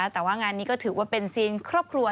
แต่ว่างานนี้ก็ถือว่าเป็นซีนครอบครัว